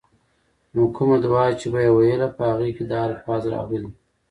نو کومه دعاء چې به ئي ويله، په هغې کي دا الفاظ راغلي: